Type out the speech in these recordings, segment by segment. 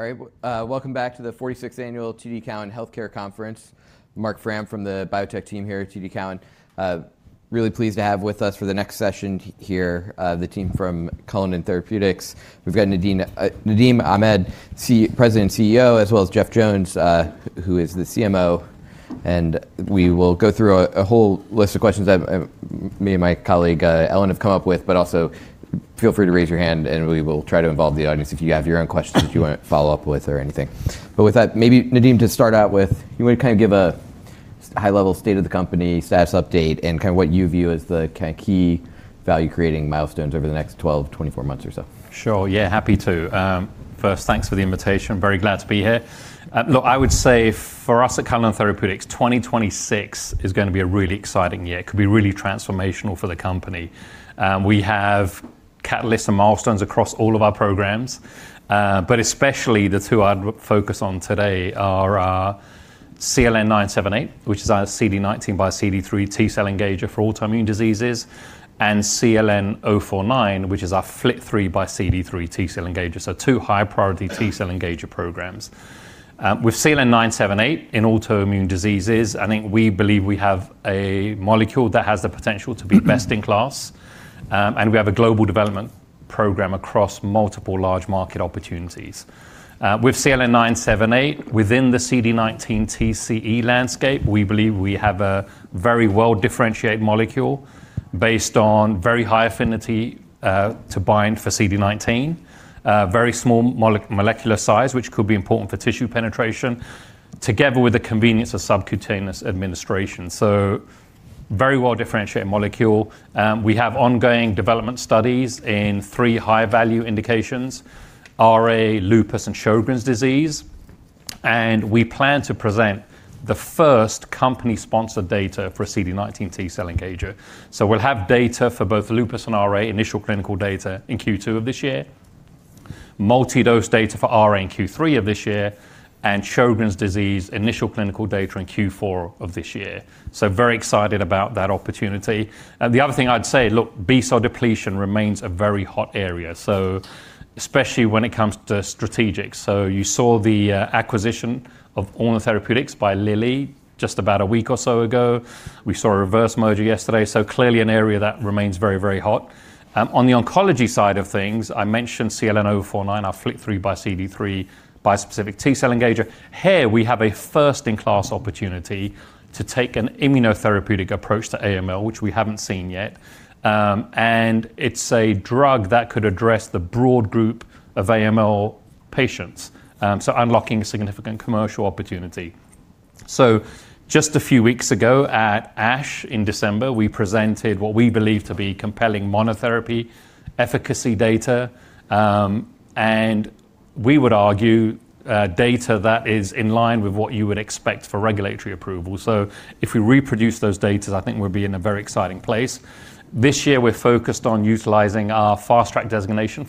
All right. Welcome back to the 46th Annual TD Cowen Healthcare Conference. Marc Frahm from the Biotech team here at TD Cowen. Really pleased to have with us for the next session here, the team from Cullinan Therapeutics. We've got Nadim Ahmed, President and CEO, as well as Jeff Jones, who is the CMO. We will go through a whole list of questions that me and my colleague, Ellen, have come up with. Also feel free to raise your hand, and we will try to involve the audience if you have your own questions you wanna follow up with or anything. With that, maybe Nadim to start out with, you wanna kind of give a high-level state of the company, status update, and kinda what you view as the kinda key value-creating milestones over the next 12-24 months or so? Sure, yeah, happy to. First, thanks for the invitation. Very glad to be here. Look, I would say for us at Cullinan Therapeutics, 2026 is gonna be a really exciting year, could be really transformational for the company. We have catalysts and milestones across all of our programs, but especially the two I'd focus on today are our CLN-978, which is our CD19xCD3 T-cell engager for autoimmune diseases, and CLN-049, which is our FLT3xCD3 T-cell engager. Two high-priority T-cell engager programs. With CLN-978 in autoimmune diseases, I think we believe we have a molecule that has the potential to be best in class, and we have a global development program across multiple large market opportunities. With CLN-978 within the CD19 TCE landscape, we believe we have a very well-differentiated molecule based on very high affinity to bind for CD19, very small molecular size, which could be important for tissue penetration, together with the convenience of subcutaneous administration. Very well-differentiated molecule. We have ongoing development studies in three high-value indications: RA, lupus, and Sjögren's disease, and we plan to present the first company-sponsored data for a CD19 T-cell engager. We'll have data for both lupus and RA, initial clinical data in Q2 of this year, multi-dose data for RA in Q3 of this year, and Sjögren's disease initial clinical data in Q4 of this year. Very excited about that opportunity. The other thing I'd say, look, B-cell depletion remains a very hot area, so especially when it comes to strategics. You saw the acquisition of Orna Therapeutics by Lilly just about a week or so ago. We saw a reverse merger yesterday, so clearly an area that remains very, very hot. On the oncology side of things, I mentioned CLN-049, our FLT3xCD3 bispecific T-cell engager. Here we have a first-in-class opportunity to take an immunotherapeutic approach to AML, which we haven't seen yet, and it's a drug that could address the broad group of AML patients, so unlocking significant commercial opportunity. Just a few weeks ago at ASH in December, we presented what we believe to be compelling monotherapy efficacy data, and we would argue, data that is in line with what you would expect for regulatory approval. If we reproduce those datas, I think we'll be in a very exciting place. This year, we're focused on utilizing our Fast Track designation.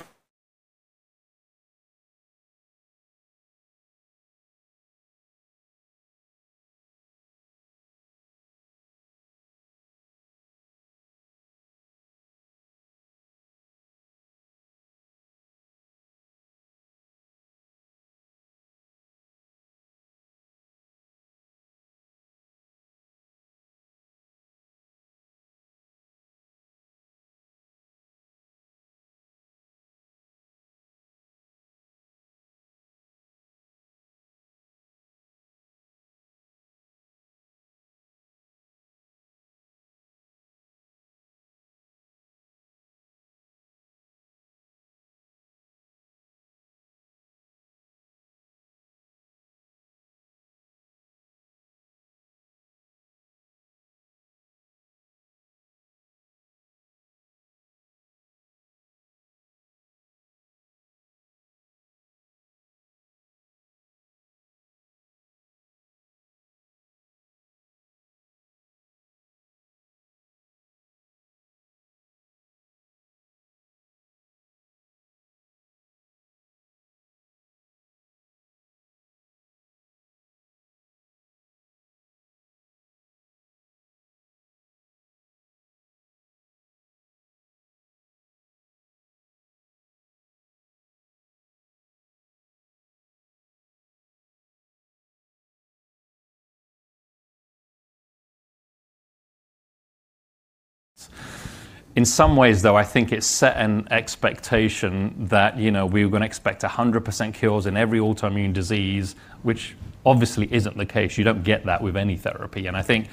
In some ways, though, I think it set an expectation that, you know, we were gonna expect 100% cures in every autoimmune disease, which obviously isn't the case. You don't get that with any therapy, and I think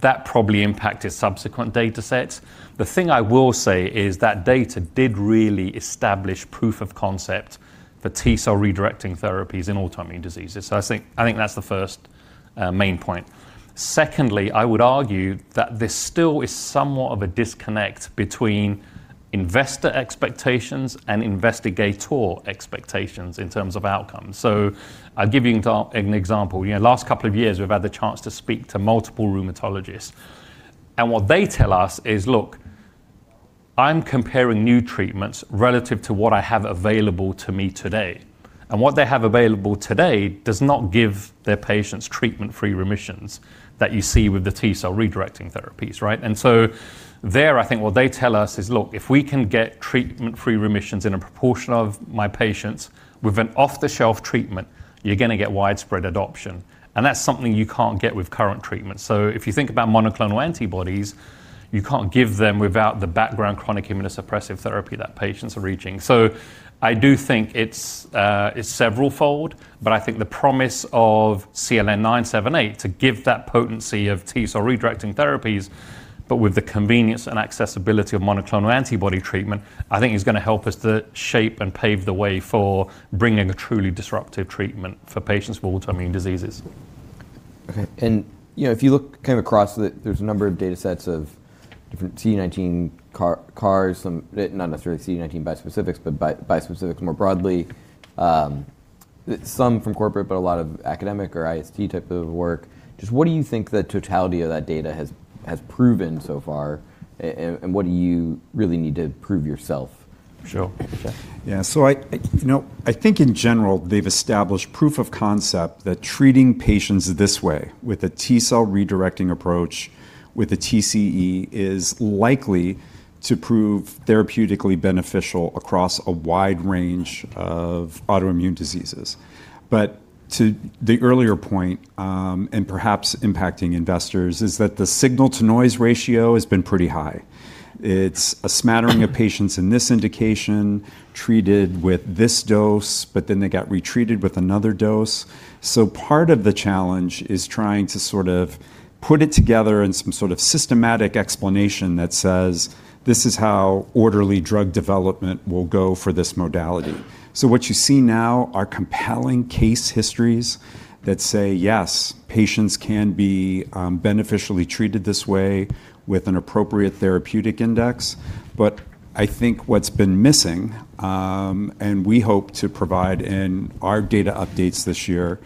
that probably impacted subsequent datasets. The thing I will say is that data did really establish proof of concept for T-cell redirecting therapies in autoimmune diseases, so I think that's the first main point. Secondly, I would argue that there still is somewhat of a disconnect between investor expectations and investigator expectations in terms of outcomes. I'll give you an example. You know, last couple of years, we've had the chance to speak to multiple rheumatologists, and what they tell us is, "Look I'm comparing new treatments relative to what I have available to me today. What they have available today does not give their patients treatment-free remissions that you see with the T-cell redirecting therapies, right? There, I think what they tell us is, look, if we can get treatment-free remissions in a proportion of my patients with an off-the-shelf treatment, you're gonna get widespread adoption, and that's something you can't get with current treatment. If you think about monoclonal antibodies, you can't give them without the background chronic immunosuppressive therapy that patients are reaching. I do think it's several-fold, but I think the promise of CLN-978 to give that potency of T-cell redirecting therapies, but with the convenience and accessibility of monoclonal antibody treatment, I think is gonna help us to shape and pave the way for bringing a truly disruptive treatment for patients with autoimmune diseases. Okay. You know, if you look kind of across there's a number of datasets of different CD19 CARs, some not necessarily CD19 bispecifics, but bispecifics more broadly, some from corporate, but a lot of academic or IITs type of work. Just what do you think the totality of that data has proven so far, and what do you really need to prove yourself? Sure. Sure. I, you know, I think in general, they've established proof of concept that treating patients this way with a T-cell redirecting approach with a TCE is likely to prove therapeutically beneficial across a wide range of autoimmune diseases. To the earlier point, and perhaps impacting investors, is that the signal-to-noise ratio has been pretty high. It's a smattering of patients in this indication treated with this dose, but then they got retreated with another dose. Part of the challenge is trying to sort of put it together in some sort of systematic explanation that says, "This is how orderly drug development will go for this modality." What you see now are compelling case histories that say, yes, patients can be beneficially treated this way with an appropriate therapeutic index. I think what's been missing, and we hope to provide in our data updates this year,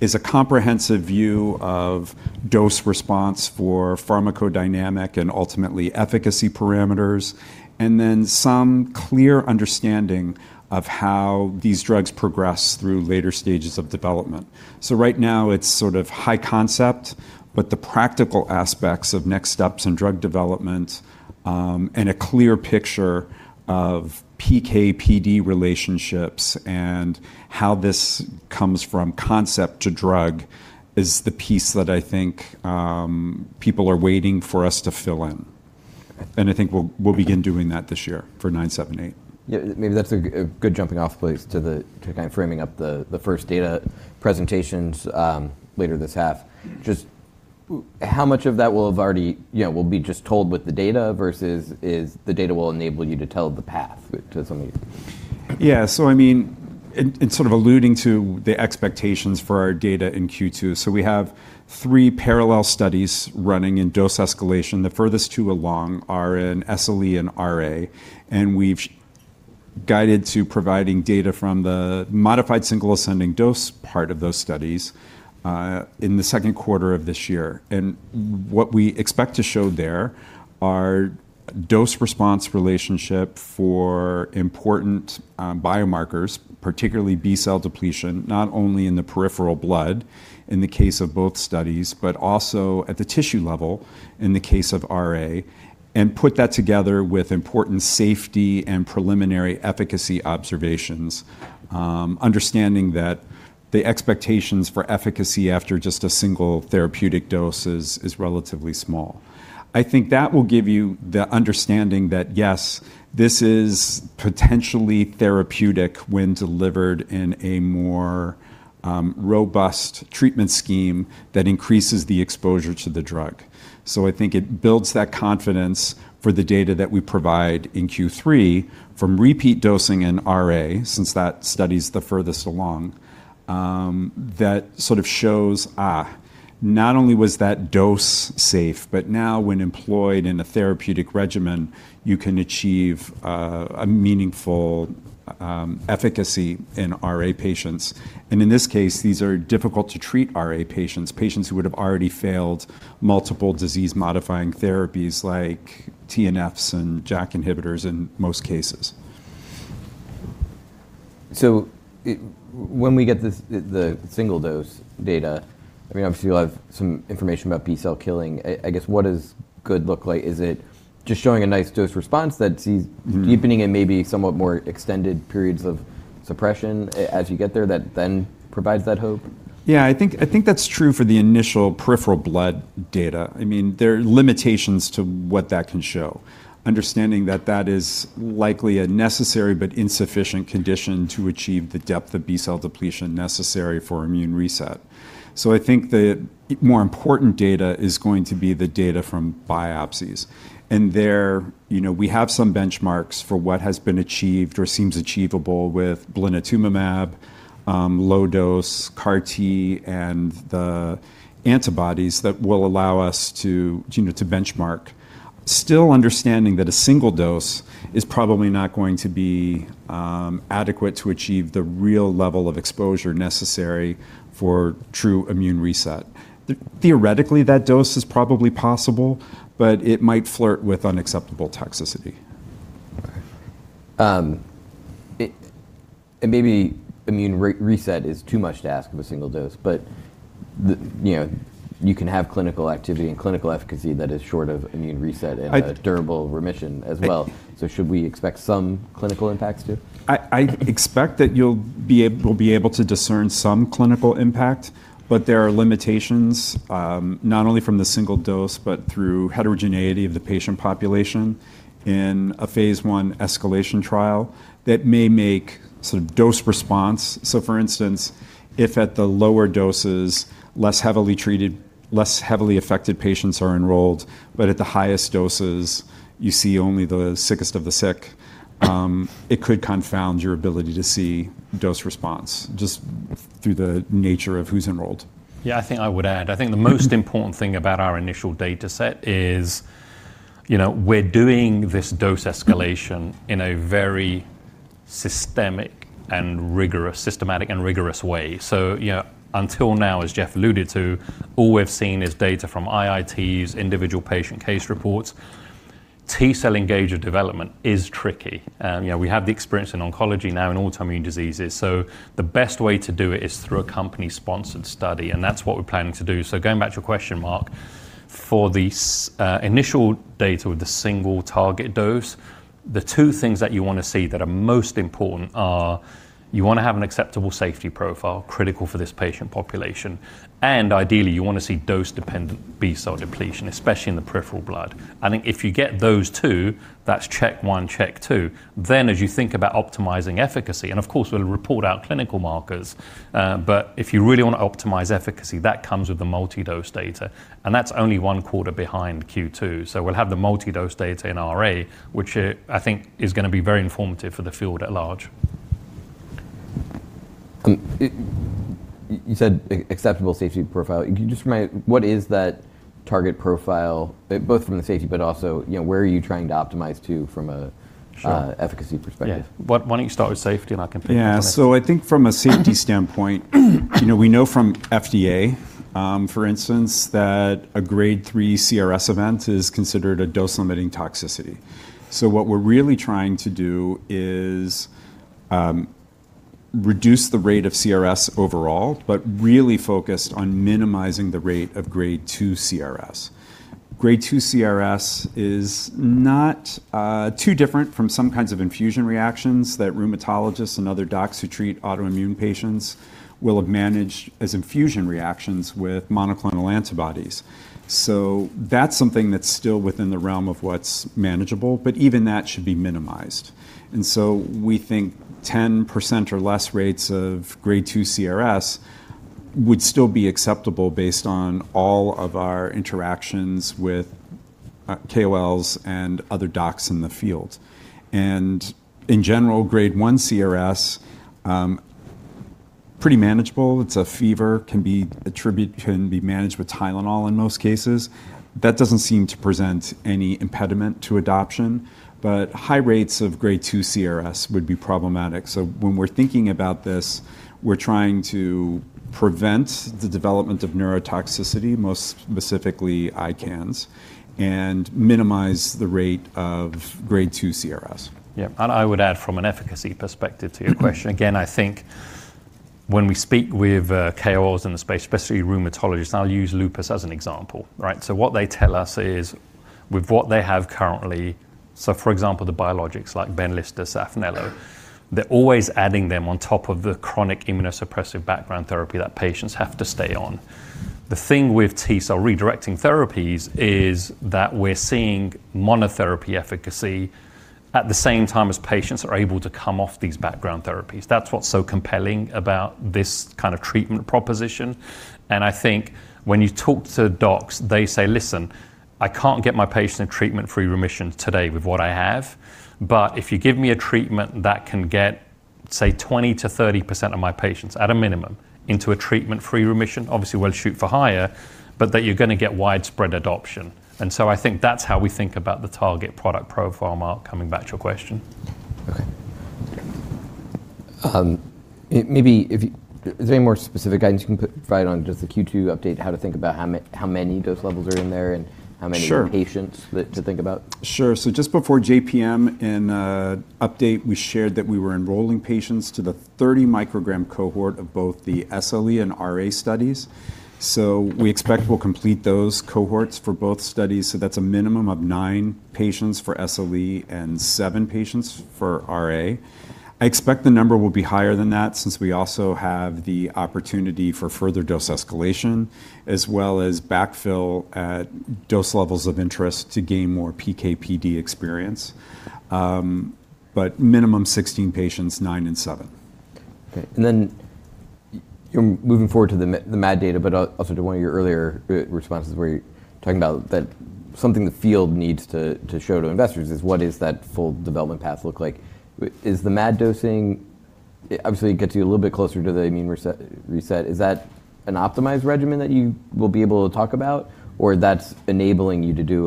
is a comprehensive view of dose response for pharmacodynamic and ultimately efficacy parameters, and then some clear understanding of how these drugs progress through later stages of development. Right now, it's sort of high concept, but the practical aspects of next steps in drug development, and a clear picture of PK/PD relationships and how this comes from concept to drug is the piece that I think people are waiting for us to fill in. Okay. I think we'll begin doing that this year for CLN-978. Yeah. Maybe that's a good jumping off place to kind of framing up the first data presentations later this half. Just how much of that will have already... you know, will be just told with the data versus is the data will enable you to tell the path to some of these? I mean, in sort of alluding to the expectations for our data in Q2, we have three parallel studies running in dose escalation. The furthest two along are in SLE and RA. We've guided to providing data from the modified single ascending dose part of those studies in the second quarter of this year. What we expect to show there are dose response relationship for important biomarkers, particularly B-cell depletion, not only in the peripheral blood in the case of both studies, but also at the tissue level in the case of RA, and put that together with important safety and preliminary efficacy observations, understanding that the expectations for efficacy after just a single therapeutic dose is relatively small. I think that will give you the understanding that, yes, this is potentially therapeutic when delivered in a more robust treatment scheme that increases the exposure to the drug. I think it builds that confidence for the data that we provide in Q3 from repeat dosing in RA, since that study's the furthest along, that sort of shows, not only was that dose safe, but now when employed in a therapeutic regimen, you can achieve a meaningful efficacy in RA patients. In this case, these are difficult to treat RA patients who would have already failed multiple disease-modifying therapies like TNFs and JAK inhibitors in most cases. When we get this, the single-dose data, I mean, obviously you'll have some information about B-cell killing. I guess, what does good look like? Is it just showing a nice dose response that sees deepening and maybe somewhat more extended periods of suppression as you get there that then provides that hope? Yeah, I think that's true for the initial peripheral blood data. I mean, there are limitations to what that can show, understanding that that is likely a necessary but insufficient condition to achieve the depth of B-cell depletion necessary for immune reset. I think the more important data is going to be the data from biopsies. There, you know, we have some benchmarks for what has been achieved or seems achievable with blinatumomab, low dose CAR T, and the antibodies that will allow us to, you know, to benchmark. Still understanding that a single dose is probably not going to be adequate to achieve the real level of exposure necessary for true immune reset. Theoretically, that dose is probably possible, but it might flirt with unacceptable toxicity. Maybe immune re-reset is too much to ask of a single dose. You know, you can have clinical activity and clinical efficacy that is short of immune reset. a durable remission as well. Should we expect some clinical impacts too? I expect that we'll be able to discern some clinical impact, but there are limitations, not only from the single dose, but through heterogeneity of the patient population in a phase I escalation trial that may make sort of dose response. For instance, if at the lower doses, less heavily treated, less heavily affected patients are enrolled, but at the highest doses, you see only the sickest of the sick, it could confound your ability to see dose response just through the nature of who's enrolled. Yeah. I think I would add, I think the most important thing about our initial data set is, you know, we're doing this dose escalation in a very systematic and rigorous way. Yeah, until now, as Jeff alluded to, all we've seen is data from IITs, individual patient case reports. T-cell engager development is tricky. You know, we have the experience in oncology now in autoimmune diseases. The best way to do it is through a company-sponsored study, and that's what we're planning to do. Going back to your question, Marc, for this initial data with the single target dose, the two things that you wanna see that are most important are you wanna have an acceptable safety profile critical for this patient population. Ideally, you wanna see dose-dependent B-cell depletion, especially in the peripheral blood. I think if you get those two, that's check one, check two. As you think about optimizing efficacy, and of course, we'll report out clinical markers, but if you really wanna optimize efficacy, that comes with the multi-dose data, and that's only one quarter behind Q2. We'll have the multi-dose data in RA, which I think is gonna be very informative for the field at large. You said acceptable safety profile. Can you just remind what is that target profile, both from the safety but also, you know, where are you trying to optimize too? Sure efficacy perspective? Yeah. Why don't you start with safety? Yeah. I think from a safety standpoint, you know, we know from FDA, for instance, that a Grade 3 CRS event is considered a dose-limiting toxicity. What we're really trying to do is reduce the rate of CRS overall, but really focused on minimizing the rate of Grade 2 CRS. Grade 2 CRS is not too different from some kinds of infusion reactions that rheumatologists and other docs who treat autoimmune patients will have managed as infusion reactions with monoclonal antibodies. That's something that's still within the realm of what's manageable, but even that should be minimized. We think 10% or less rates of Grade 2 CRS would still be acceptable based on all of our interactions with KOLs and other docs in the field. In general, Grade 1 CRS, pretty manageable. It's a fever, can be managed with Tylenol in most cases. That doesn't seem to present any impediment to adoption, but high rates of Grade 2 CRS would be problematic. When we're thinking about this, we're trying to prevent the development of neurotoxicity, most specifically ICANS, and minimize the rate of Grade 2 CRS. I would add from an efficacy perspective to your question. Again, I think when we speak with KOLs in the space, especially rheumatologists, and I'll use lupus as an example, right? What they tell us is with what they have currently, for example, the biologics like Benlysta, Saphnelo, they're always adding them on top of the chronic immunosuppressive background therapy that patients have to stay on. The thing with T-cell redirecting therapies is that we're seeing monotherapy efficacy at the same time as patients are able to come off these background therapies. That's what's so compelling about this kind of treatment proposition. I think when you talk to docs, they say, "Listen, I can't get my patient a treatment-free remission today with what I have. If you give me a treatment that can get, say, 20%-30% of my patients at a minimum into a treatment-free remission, obviously, we'll shoot for higher, but that you're gonna get widespread adoption. I think that's how we think about the target product profile, Marc, coming back to your question. Okay. Is there any more specific guidance you can provide on just the Q2 update, how to think about how many dose levels are in there? Sure patients that to think about? Sure. Just before JPM and update, we shared that we were enrolling patients to the 30 µg cohort of both the SLE and RA studies. We expect we'll complete those cohorts for both studies. That's a minimum of nine patients for SLE and seven patients for RA. I expect the number will be higher than that since we also have the opportunity for further dose escalation as well as backfill at dose levels of interest to gain more PK/PD experience. Minimum 16 patients, nine and seven. Okay. Then you know, moving forward to the MAD data, also to one of your earlier responses where you're talking about that something the field needs to show to investors is what is that full development path look like? Is the MAD dosing, obviously it gets you a little bit closer to the immune reset, is that an optimized regimen that you will be able to talk about, or that's enabling you to do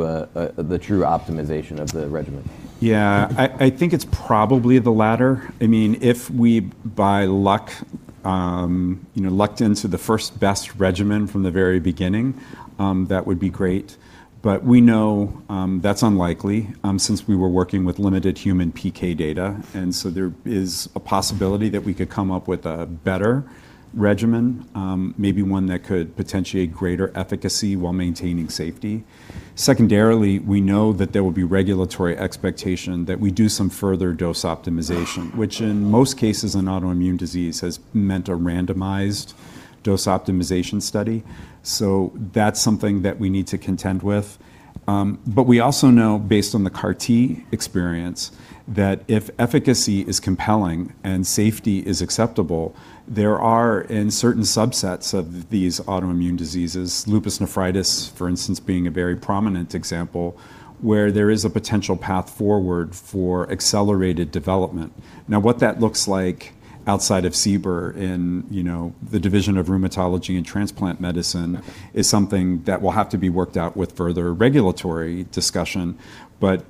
the true optimization of the regimen? Yeah. I think it's probably the latter. I mean, if we by you know, lucked into the first best regimen from the very beginning, that would be great. We know, that's unlikely, since we were working with limited human PK data. There is a possibility that we could come up with a better regimen, maybe one that could potentiate greater efficacy while maintaining safety. Secondarily, we know that there will be regulatory expectation that we do some further dose optimization, which in most cases in autoimmune disease has meant a randomized dose optimization study. That's something that we need to contend with. We also know based on the CAR T experience that if efficacy is compelling and safety is acceptable, there are in certain subsets of these autoimmune diseases, lupus nephritis, for instance, being a very prominent example, where there is a potential path forward for accelerated development. What that looks like outside of CBER in, you know, the Division of Rheumatology and Transplant Medicine is something that will have to be worked out with further regulatory discussion.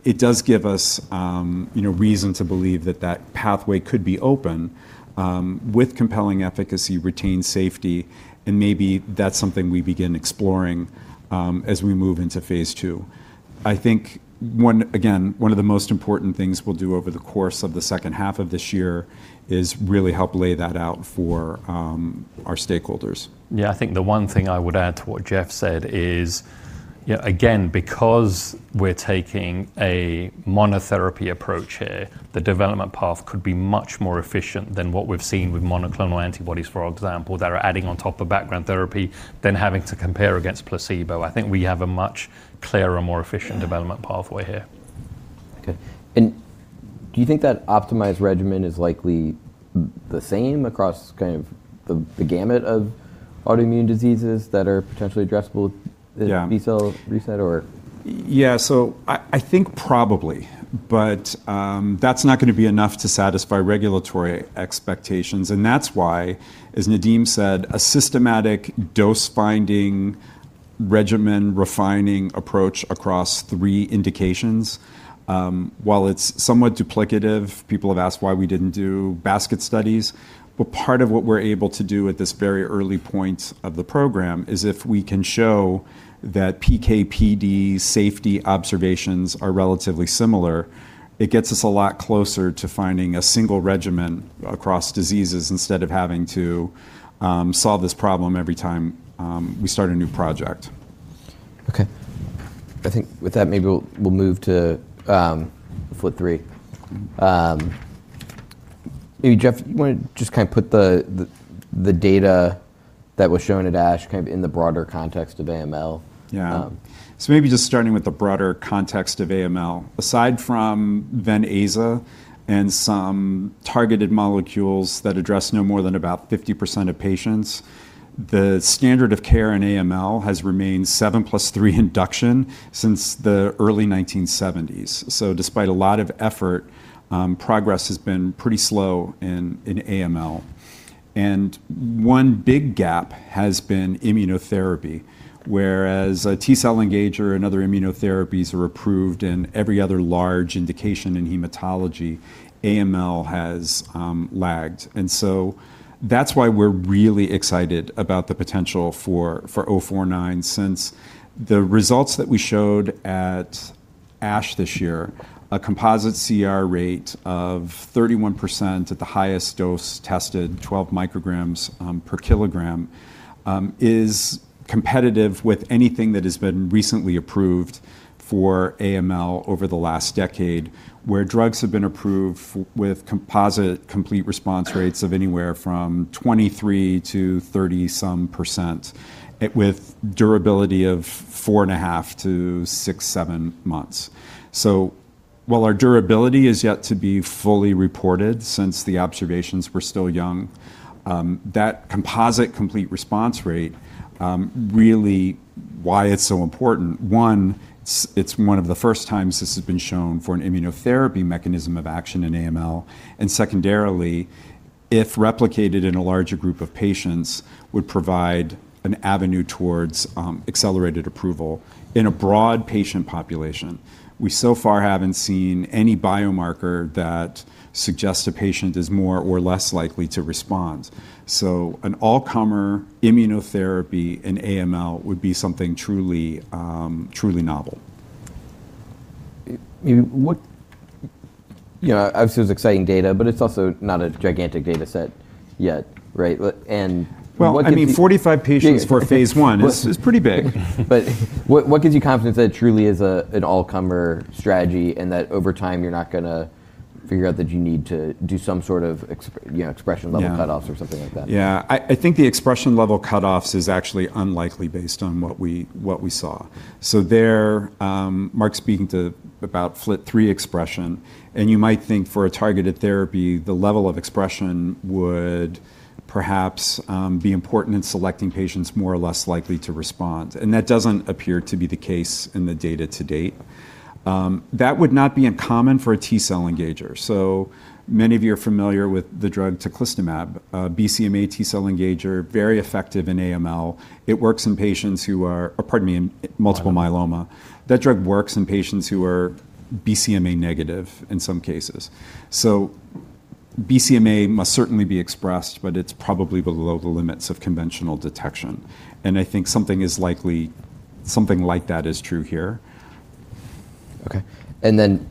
It does give us, you know, reason to believe that that pathway could be open, with compelling efficacy, retained safety, and maybe that's something we begin exploring, as we move into phase II. I think again, one of the most important things we'll do over the course of the second half of this year is really help lay that out for our stakeholders. Yeah. I think the one thing I would add to what Jeff said is, you know, again, because we're taking a monotherapy approach here, the development path could be much more efficient than what we've seen with monoclonal antibodies, for example, that are adding on top of background therapy than having to compare against placebo. I think we have a much clearer, more efficient development pathway here. Okay. Do you think that optimized regimen is likely the same across kind of the gamut of autoimmune diseases that are potentially addressable with-? Yeah... the B-cell reset or? Yeah. I think probably, but that's not gonna be enough to satisfy regulatory expectations, and that's why, as Nadim said, a systematic dose finding regimen refining approach across three indications, while it's somewhat duplicative, people have asked why we didn't do basket studies, but part of what we're able to do at this very early point of the program is if we can show that PK/PD safety observations are relatively similar, it gets us a lot closer to finding a single regimen across diseases instead of having to solve this problem every time we start a new project. Okay. I think with that, maybe we'll move to FLT3. Maybe, Jeff, you wanna just kind of put the data that was shown at ASH kind of in the broader context of AML? Yeah. Maybe just starting with the broader context of AML. Aside from Ven/Aza and some targeted molecules that address no more than about 50% of patients, the standard of care in AML has remained 7+3 induction since the early 1970s. Despite a lot of effort, progress has been pretty slow in AML. One big gap has been immunotherapy, whereas a T-cell engager and other immunotherapies are approved in every other large indication in hematology, AML has lagged. That's why we're really excited about the potential for CLN-049 since the results that we showed at ASH this year, a composite CR rate of 31% at the highest dose tested, 12 µg per kg is competitive with anything that has been recently approved for AML over the last decade, where drugs have been approved with composite complete response rates of anywhere from 23%-30-some percent, with durability of 4.5 to six, seven months. While our durability is yet to be fully reported since the observations were still young, that composite complete response rate, really why it's so important, one, it's one of the first times this has been shown for an immunotherapy mechanism of action in AML, and secondarily, if replicated in a larger group of patients, would provide an avenue towards accelerated approval in a broad patient population. We so far haven't seen any biomarker that suggests a patient is more or less likely to respond. An all-comer immunotherapy in AML would be something truly novel. You know, what. You know, obviously it was exciting data, but it's also not a gigantic data set yet, right? What gives you- Well, I mean, 45 patients for phase I is pretty big. What gives you confidence that it truly is an all-comer strategy and that over time you're not gonna figure out that you need to do some sort of you know, expression level cutoffs? Yeah ...or something like that? Yeah. I think the expression level cutoffs is actually unlikely based on what we saw. There, Marc speaking about FLT3 expression, you might think for a targeted therapy, the level of expression would perhaps be important in selecting patients more or less likely to respond, and that doesn't appear to be the case in the data to date. That would not be uncommon for a T-cell engager. Many of you are familiar with the drug teclistamab, BCMA T-cell engager, very effective in AML. It works in patients, or pardon me, in multiple myeloma. That drug works in patients who are BCMA negative in some cases. BCMA must certainly be expressed, but it's probably below the limits of conventional detection. I think something like that is true here. Okay. I think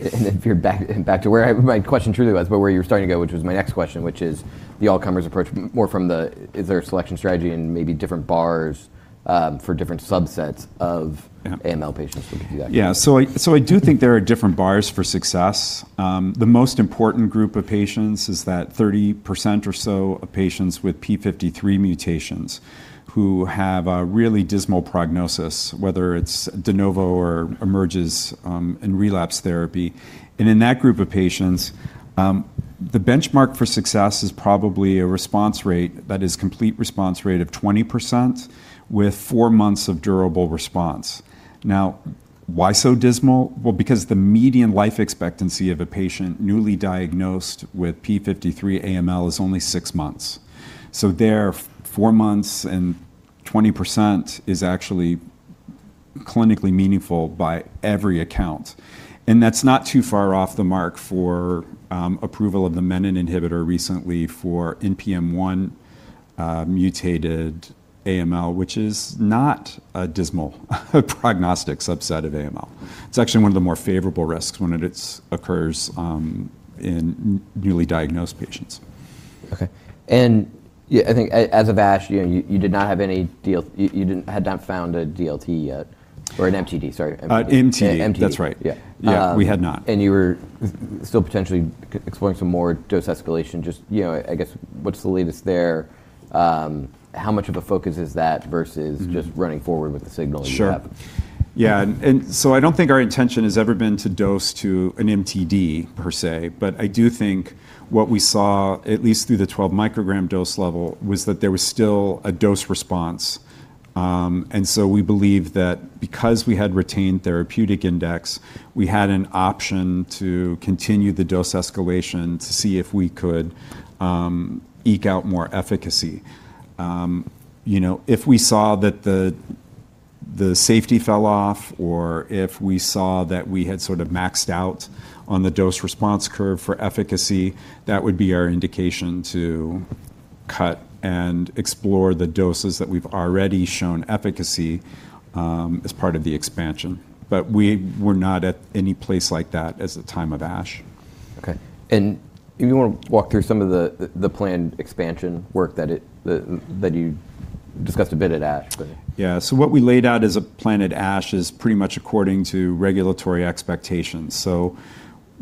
if you're back to where my question truly was, but where you were starting to go, which was my next question, which is the all-comers approach, from the is there a selection strategy and maybe different bars, for different subsets. Yeah AML patients if we could do that. I do think there are different bars for success. The most important group of patients is that 30% or so of patients with P53 mutations who have a really dismal prognosis, whether it's de novo or emerges in relapse therapy. In that group of patients, the benchmark for success is probably a response rate that is complete response rate of 20% with four months of durable response. Why so dismal? Well, because the median life expectancy of a patient newly diagnosed with P53 AML is only six months. Four months and 20% is actually clinically meaningful by every account. That's not too far off the mark for approval of the menin inhibitor recently for NPM1 mutated AML, which is not a dismal prognostic subset of AML. It's actually one of the more favorable risks when it's occurs, in newly diagnosed patients. Okay. yeah, I think as of ASH, you know, you had not found a DLT yet, or an MTD, sorry. MTD. MTD. That's right. Yeah. Yeah. Yeah. We had not. You were still potentially exploring some more dose escalation. Just, you know, I guess what's the latest there? How much of a focus is that versus? just running forward with the signal that you have? Sure. Yeah. I don't think our intention has ever been to dose to an MTD per se, but I do think what we saw, at least through the 12 µg dose level, was that there was still a dose response. We believe that because we had retained therapeutic index, we had an option to continue the dose escalation to see if we could eke out more efficacy. You know, if we saw that the safety fell off or if we saw that we had sort of maxed out on the dose response curve for efficacy, that would be our indication to cut and explore the doses that we've already shown efficacy as part of the expansion. We were not at any place like that as the time of ASH. Okay. If you wanna walk through some of the planned expansion work that you discussed a bit at ASH. Yeah. What we laid out as a plan at ASH is pretty much according to regulatory expectations.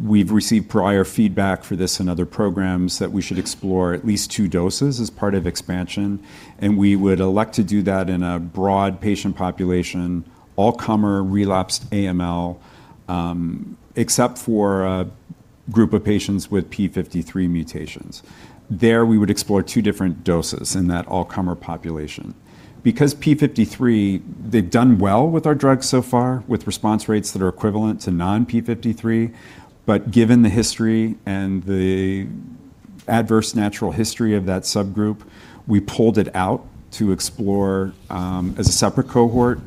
We've received prior feedback for this and other programs that we should explore at least two doses as part of expansion, and we would elect to do that in a broad patient population, all-comer relapsed AML, except for a group of patients with P53 mutations. There we would explore two different doses in that all-comer population. P53, they've done well with our drug so far, with response rates that are equivalent to non-P53. Given the history and the adverse natural history of that subgroup, we pulled it out to explore as a separate cohort.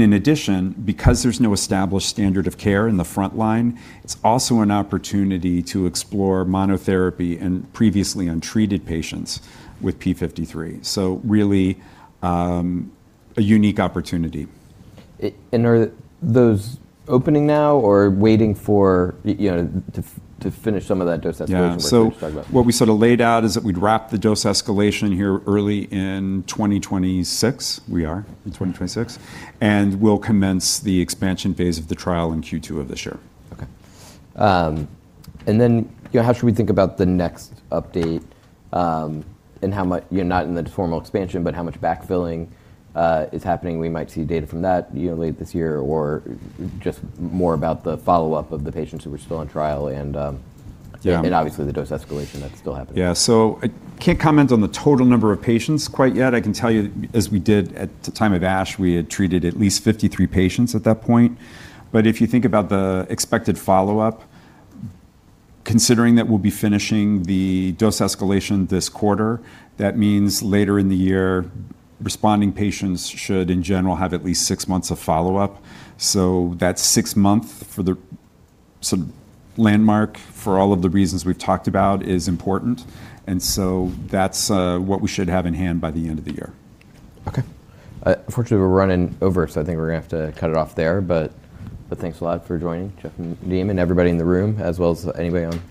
In addition, because there's no established standard of care in the front line, it's also an opportunity to explore monotherapy in previously untreated patients with P53. Really, a unique opportunity. are those opening now or waiting for you know, to finish some of that dose escalation? Yeah ...work you just talked about? What we sort of laid out is that we'd wrap the dose escalation here early in 2026. We are in 2026. We'll commence the expansion phase of the trial in Q2 of this year. Okay. Then, you know, how should we think about the next update, and how much backfilling is happening? We might see data from that, you know, late this year, or just more about the follow-up of the patients who are still on trial? Yeah Obviously the dose escalation that's still happening. I can't comment on the total number of patients quite yet. I can tell you, as we did at the time of ASH, we had treated at least 53 patients at that point. If you think about the expected follow-up, considering that we'll be finishing the dose escalation this quarter, that means later in the year, responding patients should, in general, have at least six months of follow-up. That six month for the sort of landmark, for all of the reasons we've talked about, is important. That's what we should have in hand by the end of the year. Unfortunately, we're running over, so I think we're gonna have to cut it off there. Thanks a lot for joining, Jeff and Nadim, everybody in the room, as well as anybody on.